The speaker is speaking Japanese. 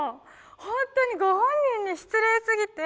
本当に、ご本人に失礼すぎて。